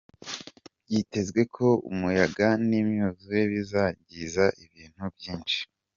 Byitezwe ko umuyaga n'imyuzure bizangiza ibintu byinshi.